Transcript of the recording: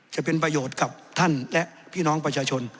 จะเป็นประโยชน์กับท่านและพี่น้องประชาชน